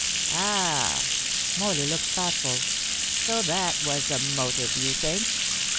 "Ah!" Morley looked thoughtful. "So that was the motive, you think?"